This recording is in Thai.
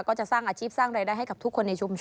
ก็จะสร้างอาชีพสร้างรายได้ให้กับทุกคนในชุมชน